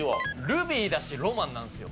ルビーだしロマンなんですよ。